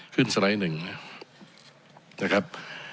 สไลด์หนึ่งนะครับ